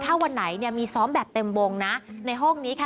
ถ้าวันไหนเนี่ยมีซ้อมแบบเต็มวงนะในห้องนี้ค่ะ